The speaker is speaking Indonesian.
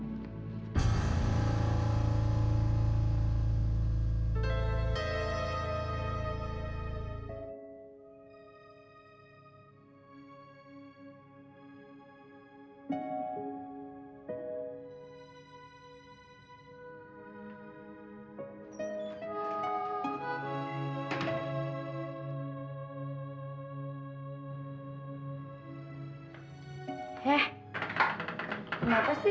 kisah kejadian kami